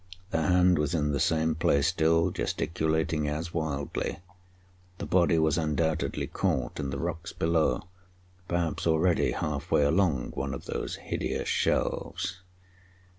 The hand was in the same place, still gesticulating as wildly; the body was undoubtedly caught in the rocks below, perhaps already half way along one of those hideous shelves.